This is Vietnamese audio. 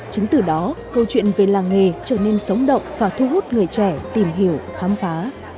chính từ đó câu chuyện về làng nghề trở nên sống động và thu hút người trẻ tìm hiểu khám phá